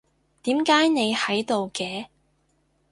點解你喺度嘅？